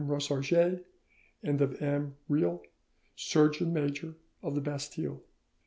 Rosarges and of M. Reilh, Surgeon Major of the Bastille.